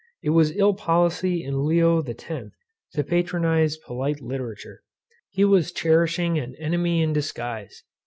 It was ill policy in Leo the Xth to patronize polite literature. He was cherishing an enemy in disguise.